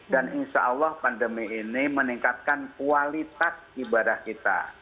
dan insya allah pandemi ini meningkatkan kualitas ibadah kita